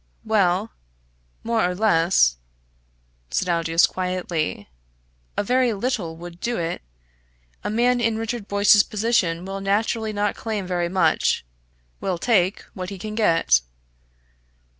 "Well, more or less," said Aldous, quietly. "A very little would do it. A man in Richard Boyce's position will naturally not claim very much will take what he can get."